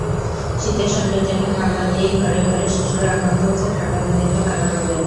শীতের সঙ্গে যেন পাল্লা দিয়েই ঘরে ঘরে শিশুরা আক্রান্ত হচ্ছে ঠান্ডাজনিত নানা রোগে।